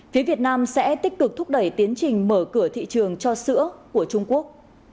phía việt nam sẽ tích cực thúc đẩy tiến trình mở cửa thị trường cho sữa của trung quốc